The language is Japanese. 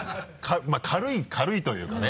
まぁ軽いというかね。